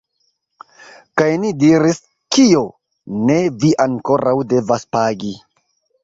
Kaj ni diris: Kio? Ne, vi ankoraŭ devas pagi.